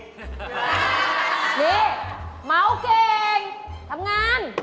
นี่เมาเก่งทำงาน